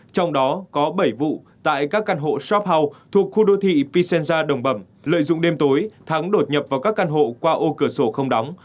trong đó có bảy vụ tại các căn hộ shop house thuộc khu đô thị pisenza đồng bẩm lợi dụng đêm tối thắng đột nhập vào các căn hộ qua ô cửa sổ không đóng